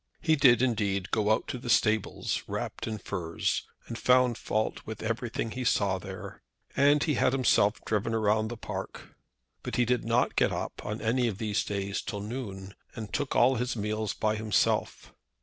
He did, indeed, go out to the stables, wrapped up in furs, and found fault with everything he saw there. And he had himself driven round the park. But he did not get up on any of these days till noon, and took all his meals by himself.